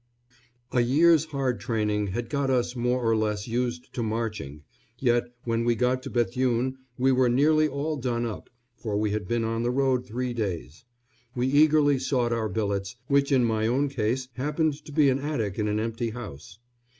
] A year's hard training had got us more or less used to marching; yet when we got to Bethune we were nearly all done up, for we had been on the road three days. We eagerly sought our billets, which in my own case happened to be an attic in an empty house.